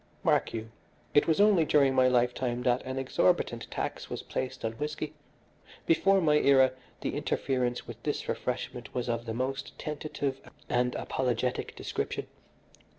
"Mark you, it was only during my lifetime that an exorbitant tax was placed on whisky. Before my era the interference with this refreshment was of the most tentative and apologetic description.